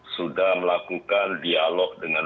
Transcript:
sudah melakukan dialog dengan